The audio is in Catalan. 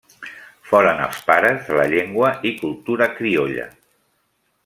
Foren els pares de la llengua i cultura criolla.